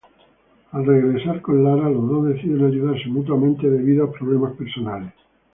Al regresar con Lara, los dos deciden ayudarse mutuamente debido a problemas personales.